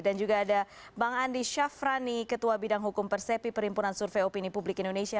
dan juga ada bang andi syafrani ketua bidang hukum persepi perimpunan survei opini publik indonesia